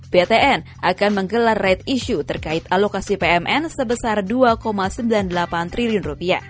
ptn akan menggelar ride issue terkait alokasi pmn sebesar rp dua sembilan puluh delapan triliun